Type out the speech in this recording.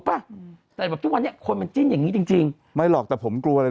ราคอนไวท์ชิดซ้าย